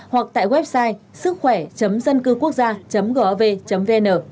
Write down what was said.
hoặc tại website sứckhoẻ dâncưquốcgia gov vn